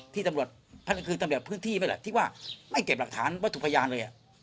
ที่ตำรวจคือตำแบบพื้นที่ไหมล่ะที่ว่าไม่เก็บหลักฐานว่าถูกพยานเลยอ่ะ